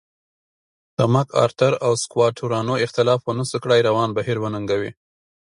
د مک ارتر او سکواټورانو اختلاف ونشو کړای روان بهیر وننګوي.